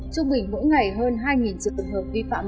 trung bình mỗi ngày hơn hai trường hợp vi phạm nồng độ